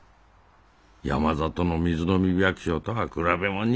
山里の水飲み百姓とは比べもんにならんわい。